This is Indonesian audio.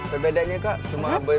perbedaannya kak cuma berbeda